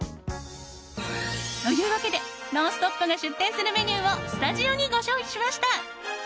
というわけで「ノンストップ！」が出店するメニューをスタジオにご用意しました。